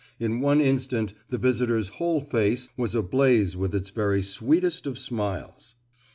In one instant the visitor's whole face was all ablaze with its very sweetest of smiles.